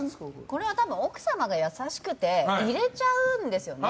これは多分、奥様が優しくて入れちゃうんですよね。